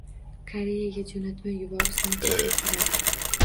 Koreyaga jo'natma yuborish necha pul turadi?